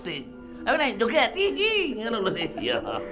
tapi ini juga hati kamu bisa mengergai dirimu sendiri